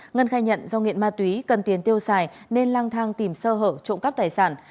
ngân khai nhận do nghiện ma túy cần tiền tiêu xài nên lang thang tìm sơ hở trộm cắp tài sản